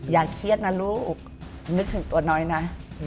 อย่าเครียดนะลูกนึกถึงตัวน้อยนะ